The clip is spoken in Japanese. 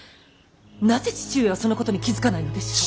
なぜ父上はそのことに気付かないのでしょう。